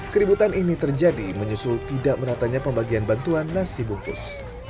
keributan ini terjadi menyusul tidak meratanya pembagian bantuan nasi bungkus